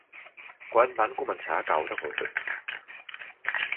Quan van començar a caure gotes?